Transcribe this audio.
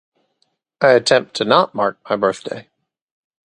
I attempt to not mark my birthday.